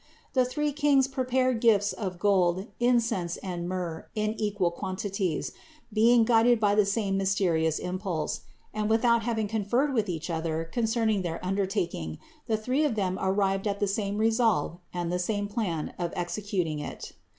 The three Kings prepared gifts of gold, incense and myrrh in equal quantities, being guided by the same mys terious impulse ; and without having conferred with each other concerning their undertaking, the three of them arrived at the same resolve and the same plan of exe cuting it.